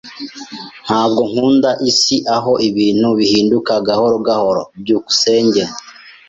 Ntabwo nkunda isi aho ibintu bihinduka gahoro gahoro. byukusenge